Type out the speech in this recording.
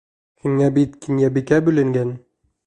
Һиңә бит Кинйәбикә бүленгән.